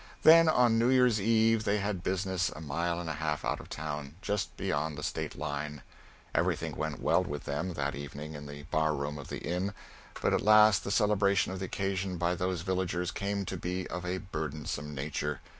Then on New year's eve they had business a mile and a half out of town, just beyond the State line. Everything went well with them that evening in the barroom of the inn but at last the celebration of the occasion by those villagers came to be of a burdensome nature.